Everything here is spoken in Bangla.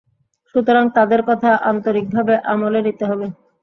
সুতরাং তাঁদের কথা আন্তরিকভাবে আমলে নিতে হবে।